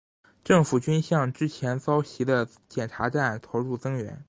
政府军向之前遭袭的检查站投入增援。